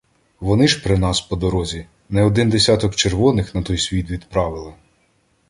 Вони ж при нас, по дорозі, не один десяток червоних на той світ відправили.